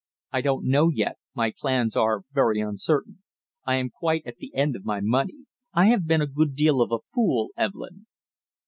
"I don't know yet, my plans are very uncertain. I am quite at the end of my money. I have been a good deal of a fool, Evelyn."